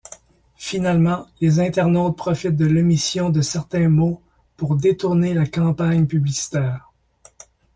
Finalement, les internautes profitent de l'omission de certains mots pour détourner la campagne publicitaire.